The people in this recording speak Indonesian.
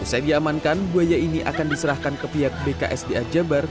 usai diamankan buaya ini akan diserahkan ke pihak bks di aja bar